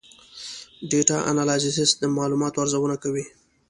ډیټا انالیسز د معلوماتو ارزونه کوي.